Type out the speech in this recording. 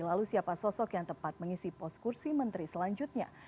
lalu siapa sosok yang tepat mengisi poskursi menteri selanjutnya